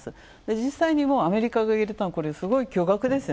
実際にアメリカが入れたのすごい巨額ですね。